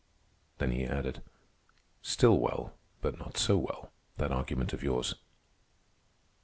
Then he added, "Still well, but not so well, that argument of yours."